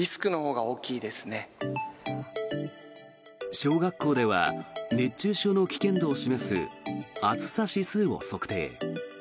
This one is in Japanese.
小学校では熱中症の危険度を示す暑さ指数を測定。